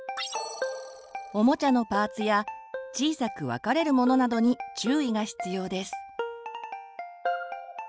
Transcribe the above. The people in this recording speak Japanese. おもちゃのパーツや小さく分かれるものなどに注意が必要です。